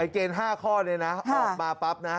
เกณฑ์๕ข้อนี้นะออกมาปั๊บนะ